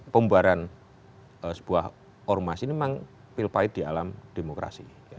pembaharan sebuah ormas ini memang pil pahit di alam demokrasi